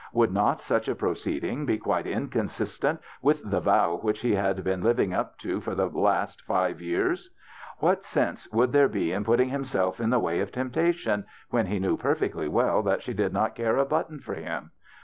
Would not such a proceeding be quite inconsistent with the vow which he had been living up to for the past five years ? What sense would there be in putting himself in the way of temptation, when he knew per fectly well that she did not care a button for him?